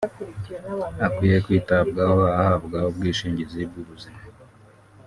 Akwiye kwitabwaho ahabwa ubwishingizi bw’ubuzima